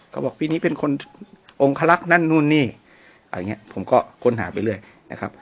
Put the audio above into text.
ก็บอกปีนี้เป็นคนองคลักษณ์นั่นนู่นนี่อะไรอย่างเงี้ยผมก็ค้นหาไปเรื่อยนะครับ